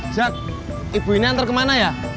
zat ibu ini ntar kemana ya